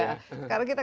naik kelas dulu ya